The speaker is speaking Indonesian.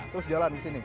terus jalan ke sini